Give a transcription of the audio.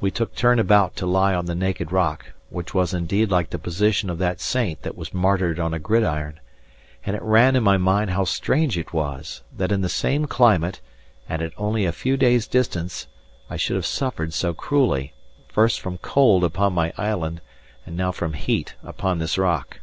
We took turn about to lie on the naked rock, which was indeed like the position of that saint that was martyred on a gridiron; and it ran in my mind how strange it was, that in the same climate and at only a few days' distance, I should have suffered so cruelly, first from cold upon my island and now from heat upon this rock.